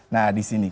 nah di sini